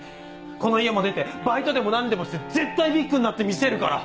この家も出てバイトでも何でもして絶対ビッグになってみせるから！